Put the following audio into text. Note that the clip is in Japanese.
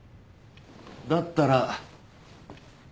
だったら。